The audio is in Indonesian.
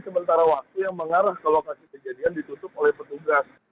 sementara waktu yang mengarah ke lokasi kejadian ditutup oleh petugas